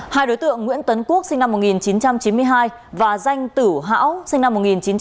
hai đối tượng nguyễn tấn quốc sinh năm một nghìn chín trăm chín mươi hai và danh tử hão sinh năm một nghìn chín trăm chín mươi